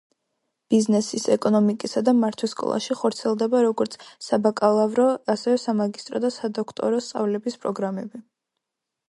ბიზნესის, ეკონომიკისა და მართვის სკოლაში ხორციელდება როგორც საბაკალავრო, ასევე სამაგისტრო და სადოქტორო სწავლების პროგრამები.